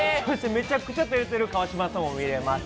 めちゃくちゃ照れてる川島さんが見れます。